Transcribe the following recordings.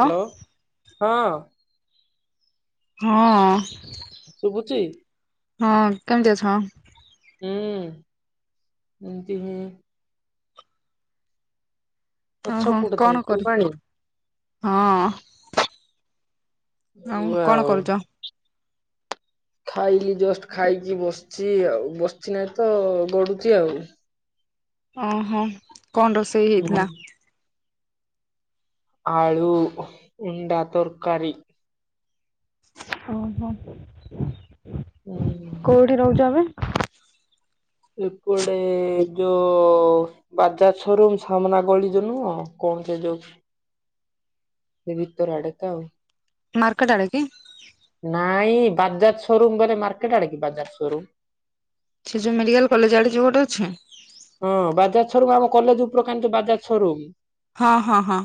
Hello. ହଁ। ହଁ। ଶୁଭୁଛି? ହଁ। କେମିତି ଅଛ? ହୁଁ। ଏମିତି ହେ ହଁ ଅଛ ହଁ କୋଉଠି ତମେ କଣ କର ଫୁଲବାଣୀ ହଁ। ଆଉଁ କଣ ୱାଓ କରୁଚ? ଖାଇଲି ଜଷ୍ଟ ଖାଇକି ବସିଛି ଆଉ ବସିଛି ନାହିଁ ତ ଗଡୁଚି ଆଉ। ଅଁ ହ କଣ ରୋଷେଇ ହୁଁ ହେଇଥିଲା? ଆଳୁ ଉଣ୍ଡା ତରକାରୀ। ଓ ହୋ। ହୁଁ କିଏ ରହୁଚ ଏବେ? ଏ ପଟେ ଯୋଉ ବାଜାଜ ସୋରୁମ ସାମ୍ନା ଗଳି ଯୋଉ ନୁହଁ କଣ ସେ ଯୋଉ ସେଇ ଭିତର ଆଡେ ତ ଆଉ। ମାର୍କେଟ ଆଡେ କି? ନାଇଁ ବାଜାଜ ସୋରୁମ ଗଲେ ମାର୍କେଟ ଆଡେ କି ବାଜାଜ ସୋରୁମ୍? ସେ ଯୋଉ ମେଡ଼ିକାଲ କଲେଜ ଆଡ଼େ ଯୋଉ ଗୋଟେ ଅଛି? ହଁ ବାଜାଜ ସୋରୁମ୍ ଆମ କଲେଜ ଉପରକା ଯୋଉ ବାଜାଜ ସୋରୁମ୍। ହଁ ହଁ ହଁ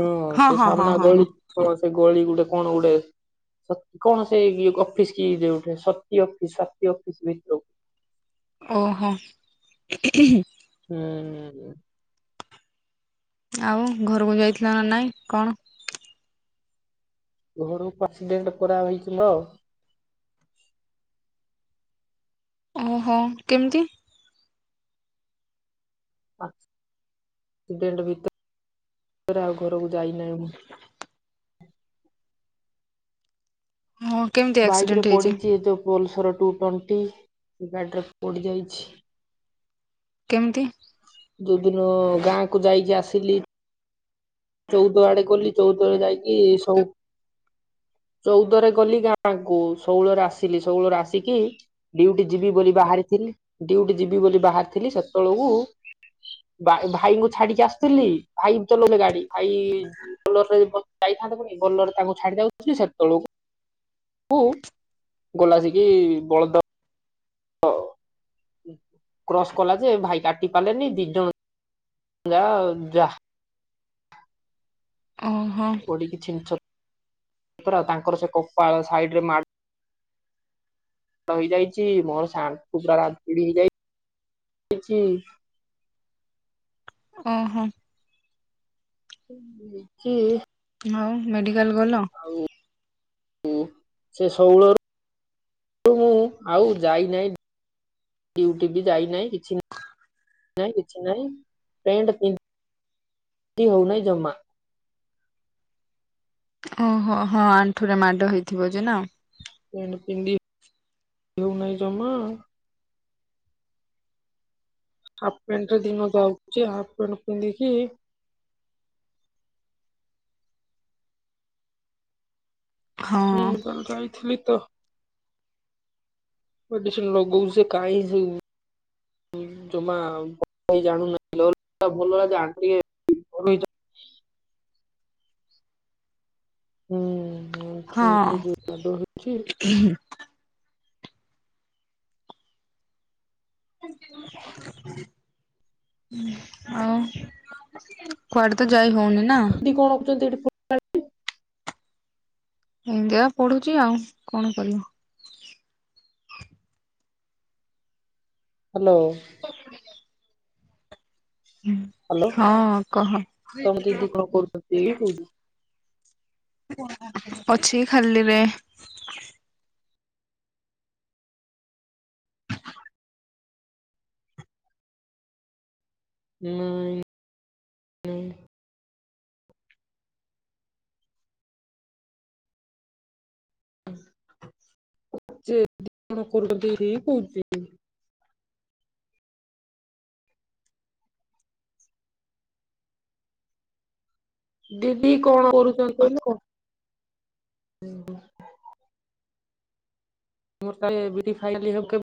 ହଁ ସେ ହଁ ହଁ ସାମ୍ନା ହଁ ଗଳି ହଁ ସେ ଗଳିକି ଗୋଟେ କଣ ଗୋଟେ ସ କଣ ସେ ଇଏ ଅଫିସ କି ଯଉଠେ ସତୀ ଅଫିସ ସାତି ଅଫିସ ଭିତରକୁ। ଓ ହୋ ହୁଁ ହୁଁ। ଆଉ ଘରୁକୁ ଯାଇଥିଲ ନା ନାଇଁ କଣ? ଘରକୁ ପସିଡେଣ୍ଟ କରାହୋଇଚି ତ ଓ ହୋ କେମତି? ଆକସିଡେଣ୍ଟ୍ ଭିତରେ ଆଉ ଘରକୁ ଯାଇନାହିଁ ମୁଁ। ମୋ ବାଇକ୍ ରେ ପଡିଚି ଏ ଯୋଉ ପଲସର୍ ଟୁ ଟ୍ୱେଣ୍ଟି ଗାଡିରେ ପଡି ଯାଇଛି। କେମତି? ଯୋଉ ଦିନ ଗାଁକୁ ଯାଇକି ଆସିଲି ଚଉଦ ଆଡେ ଗଲି ଚଉଦରେ ଯାଇକି ଷୋଳ ଚଉଦରେ ଗଲି ଗାଁକୁ ଷୋହଳରେ ଆସିଲି ଷୋହଳରେ ଆସିକି ଡିଉଟି ଯିବି ବୋଲି ବାହାରିଥିଲି। ଡିଉଟି ଯିବି ବୋଲି ବାହାରିଥିଲି ସେତବେଳକୁ ବାଇ ଭାଇଙ୍କୁ ଛାଡିକି ଆସୁଥିଲି ଭାଇ ବି ଚଲଉଥିଲେ ଗାଡି। ଭାଇ ବୋଲର ରେ ଯାଇଥାନ୍ତେ ପୁଣି ବଲରରେ ତାଙ୍କୁ ଛାଡି ଦଉଚି ସେତବଳକୁ ହୁ ଗଲାସିକି ବଳଦ ଦ କ୍ରସ୍ କଲା ଯେ ଭାଇ କାଟି ପାରିଲେନି ଦି ଜଣ ଯାଅ ଯା। ଅ ହ। ପଡିକି ଛିନ ଛ ତର ତାଙ୍କର ସେ କପାଳ ସାଇଡ଼ରେ ମା ଡ଼ ହେଇଯାଇଚି ମୋର ସେ ଆଣ୍ଠୁ ପୁରା ରାମ୍ପୁଡ଼ି ହେଇଯାଇଚି। ଅଁ ହଁ। କିଏ? ଆଉ ମେଡିକାଲ୍ ଗଲ? ଆଉ ଉ ସେ ସଉଳର [unintelligible] ଆଉ ଯାଇ ନେଇଁ ଡିଉଟି ବି ଯାଇ ନେଇଁ କିଛି ନା ନାଇଁ କିଛି ନାଇଁ ପେଣ୍ଟ ପି ନ୍ଧି ହଉନାହିଁ ଜମା। ଓହୋ ହଁ ଆଣ୍ଠୁରେ ମାଡ଼ ହେଇଥିବ ଯେ ନା। ପେଣ୍ଟ ପିନ୍ଧି ହେଉନାହିଁ ଜମା। ହାଫ୍ ପେଣ୍ଟ୍ ରେ ଦିନ ଯାଉଚି ହାଫ୍ ପେଣ୍ଟ୍ ପିନ୍ଧିକି। ହଁ ମୁଁ କଣ ଖାଇଥିଲି ତ? ମେଡିସିନ୍ ଲଗୋଉଚେ କାଇଁ ସେ ଜମା ବଟ୍ ଭାଇ ଜାଣୁ ନଥିଲେ। [unintelligible] ହୁଁ ହୁଁ। ହଁ। ଉଁ ହୁଁ। ଆଉ କୁଆଡେ ତ ଯାଇ ହଉନି। ନା ଦି କଣ [unintelligible] ଛନ୍ତି ଏଠି କ ଏମତି ଏକା ପଢୁଚି ଆଉ କଣ କରିବୁ? ହ୍ୟାଲୋ। ହ୍ୟାଲୋ ଉଁ ତମ ହଁ ଦିଦି କଣ କରୁଛନ୍ତି କହ। କହୁଛି ଅଛି ଖାଲିରେ। ମୁଁ ଏଇ ଯିଏ [unintelligible] କରୁଚନ୍ତି ସେଇ [unintelligible] ଦିଦି କଣ କରୁଚନ୍ତି କହିଲ କହ। ମୋର ତାଏ ଏମିତି ଖାଇଲି ହେବ୍ କେବ୍